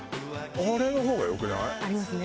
あれの方がよくない？ありますね。